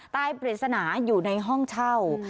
ปริศนาอยู่ในห้องเช่า